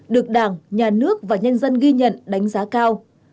được đảng nhà nước và nhân dân ghi nhận đánh giá cao